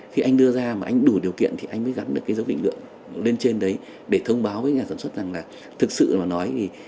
khi anh đưa ra mà anh đủ điều kiện thì anh mới gắn được cái dấu định lượng lên trên đấy để thông báo với nhà sản xuất rằng là thực sự là nói